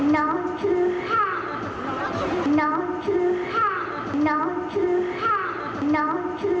น้องทือห้า